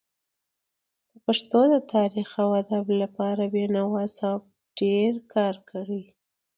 د پښتو د تاريخ او ادب لپاره بينوا صاحب ډير کار کړی دی.